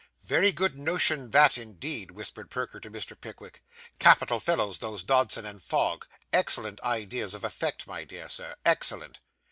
'Very good notion that indeed,' whispered Perker to Mr. Pickwick. 'Capital fellows those Dodson and Fogg; excellent ideas of effect, my dear Sir, excellent.